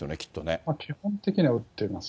基本的には打っています。